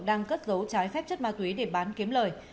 đang cất giấu trái phép chất ma túy để bán kiếm lời